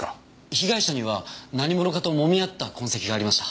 被害者には何者かともみ合った痕跡がありました。